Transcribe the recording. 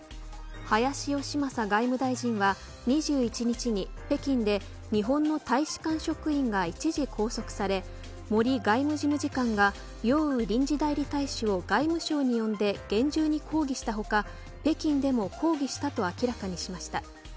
林芳正外務大臣は、２１日に北京で、日本の大使館職員が一時拘束され森外務事務次官が楊宇臨時代理大使を外務省に呼んで厳重に抗議した他北京でも抗議したと明らかにしました。